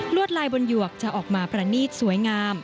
วดลายบนหยวกจะออกมาประณีตสวยงาม